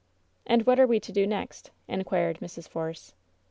'^ "And what are we to do next?" inquired Mrs. Force.